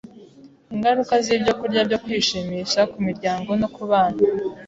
Ingaruka z’ibyokurya byo kwishimisha ku miryango no ku bana —